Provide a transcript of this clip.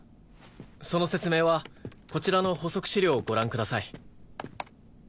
その説明はこちらの補足資料をご覧ください。